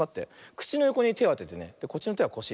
くちのよこにてをあててねこっちのてはこし。